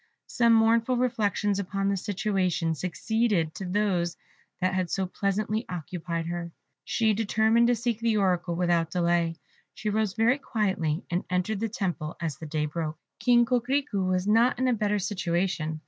Some mournful reflections upon this situation succeeded to those that had so pleasantly occupied her. She determined to seek the Oracle without delay. She arose very quietly, and entered the temple as the day broke. King Coquerico was not in a better situation.